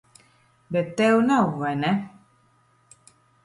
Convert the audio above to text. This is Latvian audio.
Bet tev nav, vai ne?